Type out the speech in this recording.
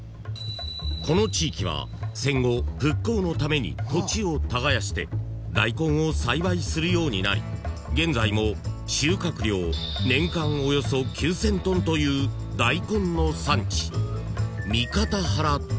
［この地域は戦後復興のために土地を耕してダイコンを栽培するようになり現在も収穫量年間およそ９，０００ｔというダイコンの産地］